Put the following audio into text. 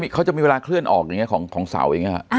เค้าจะมีเวลาเคลื่อนออกอย่างเงี้ยของเสาร์อย่างงี้ค่ะ